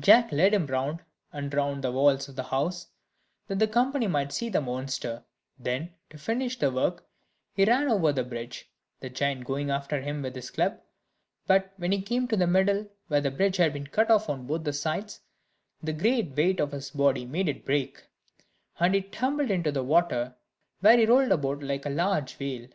Jack led him round and round the walls of the house, that the company might see the monster; then, to finish the work, he ran over the drawbridge, the giant going after him with his club: but when he came to the middle, where the bridge had been cut on both sides, the great weight of his body made it break, and he tumbled into the water, where he rolled about like a large whale.